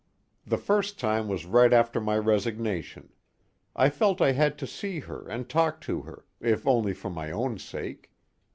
The first time was right after my resignation. I felt I had to see her and talk to her, if only for my own sake.